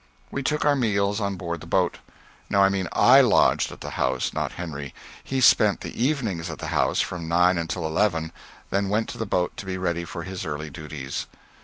We took our meals on board the boat. No, I mean I lodged at the house, not Henry. He spent the evenings at the house, from nine until eleven, then went to the boat to be ready for his early duties.